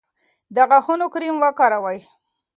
د غاښونو کریم وکاروئ.